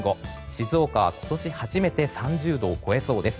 静岡は、今年初めて３０度を超えそうです。